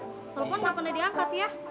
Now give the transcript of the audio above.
telepon gak pernah diangkat ya